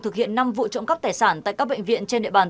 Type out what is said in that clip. thực hiện năm vụ trộm cắp tài sản tại các bệnh viện trên địa bàn